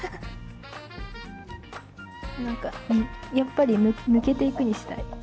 何かやっぱり「抜けてゆく」にしたい。